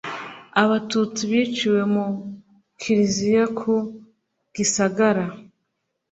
Abatutsi biciwe mu Kiliziya ku Gisagara